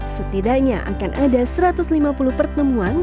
setidaknya akan ada satu ratus lima puluh pertemuan